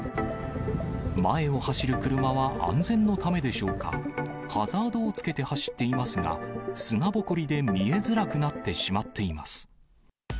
前を走る車は安全のためでしょうか、ハザードをつけて走っていますが、砂ぼこりで見えづらくなってしまっています。